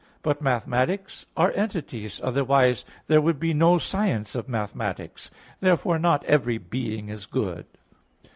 But mathematics are entities; otherwise there would be no science of mathematics. Therefore not every being is good.